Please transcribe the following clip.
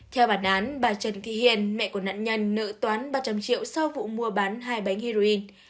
theo bản án bà trần thị hiền mẹ của nạn nhân nợ toán ba trăm linh triệu sau vụ mua bán hai bánh heroin